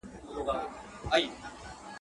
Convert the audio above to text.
چي پخوا چېرته په ښار د نوبهار کي.